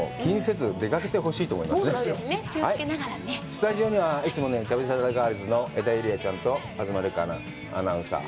スタジオには、いつものように旅サラダガールズの江田友莉亜ちゃんと東留伽アナウンサー。